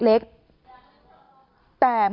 ไปเยี่ยมผู้แทนพระองค์